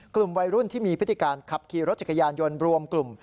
กลุ่มวัยรุ่นที่มีพฤติการขับขี่รถจักรยานยนต์รวมกลุ่ม